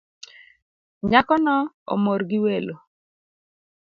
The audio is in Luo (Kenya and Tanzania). Nyako no omor gi welo